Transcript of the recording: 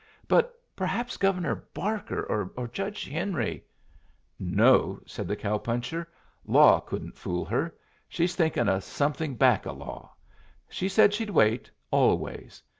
"But perhaps Governor Barker or Judge Henry " "No," said the cow puncher. "Law couldn't fool her. She's thinking of something back of law. She said she'd wait always.